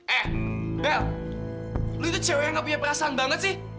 eh bel lu itu cewek gak punya perasaan banget sih